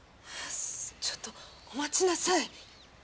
ちょっとお待ちなさい。